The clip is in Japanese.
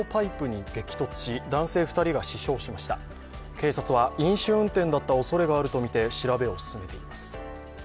警察は飲酒運転だったおそれがあるとみて調べを進めています。